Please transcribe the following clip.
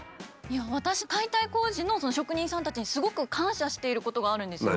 私解体工事の職人さんたちにすごく感謝していることがあるんですよ。